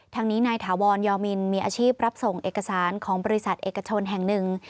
ทางนี้นายถาวรยอมินมีอาชีพรับส่งเอกสารของบริษัทเอกชนแห่งหนึ่ง